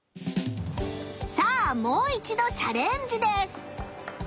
さあもう一度チャレンジです！